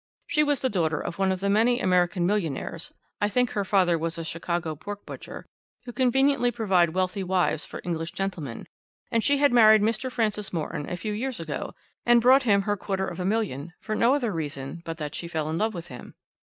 She was the daughter of one of the many American millionaires (I think her father was a Chicago pork butcher), who conveniently provide wealthy wives for English gentlemen; and she had married Mr. Francis Morton a few years ago and brought him her quarter of a million, for no other reason but that she fell in love with him.